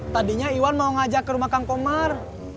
tadinya iwan mau ngajak ke rumah kang komar